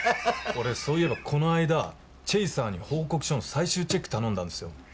俺そういえばこの間チェイサーに報告書の最終チェック頼んだんですよ。